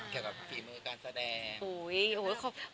เกี่ยวกับฝีมือการแสดง